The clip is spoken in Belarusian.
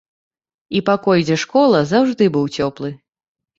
І пакой, дзе школа, заўжды быў цёплы.